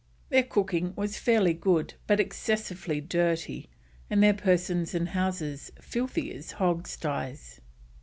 Their cooking was fairly good, but excessively dirty, and their persons and houses "filthy as hogs' sties."